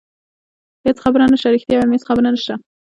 هېڅ خبره نشته، رښتیا وایم هېڅ خبره نشته.